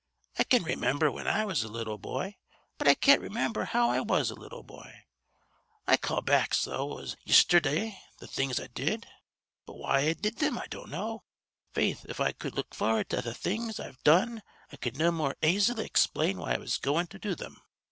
I can raymimber whin I was a little boy but I can't raymimber how I was a little boy. I call back 's though it was yisterdah th' things I did, but why I did thim I don't know. Faith, if I cud look for'ard to th' things I've done I cud no more aisily explain why I was goin' to do thim.